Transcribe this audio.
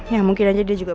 ya mungkin aja dia juga